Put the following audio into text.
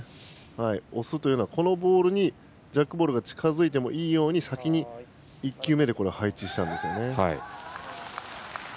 押すというのは、このボールにジャックボールが近づいてもいいように先に１球目でこれを配置したんですね。